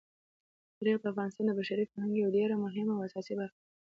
تاریخ د افغانستان د بشري فرهنګ یوه ډېره مهمه او اساسي برخه ده.